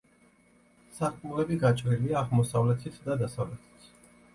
სარკმლები გაჭრილია აღმოსავლეთით და დასავლეთით.